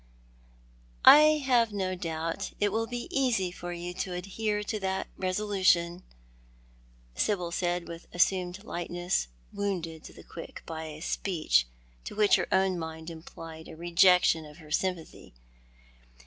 " I have no doubt it will be easy for you to adhere to that resolution," Sybil said, with an assumed lightness, wounded to the quick by a speech which to her own mind implied a rejection of her sympathy.